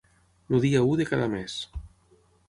El dia u de cada mes.